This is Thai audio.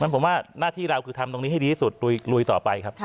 ผมว่าหน้าที่เราคือทำตรงนี้ให้ดีที่สุดลุยต่อไปครับ